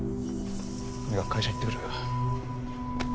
とにかく会社行ってくる。